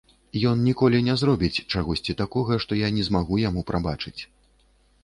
І ён ніколі не зробіць чагосьці такога, што я не змагу яму прабачыць.